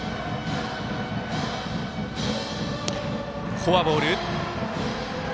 フォアボール。